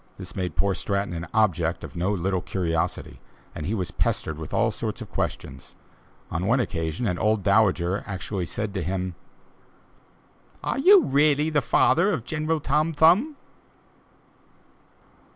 This made poor Stratton an object of no little curiosity, and he was pestered with all sorts of questions; on one occasion an old dowager said to him: "Are you really the father of General Tom Thumb?"